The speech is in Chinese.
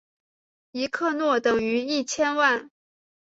一克若等于一千万。